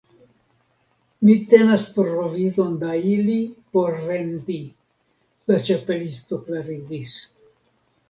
"Mi tenas provizon da ili por vendi," la Ĉapelisto klarigis.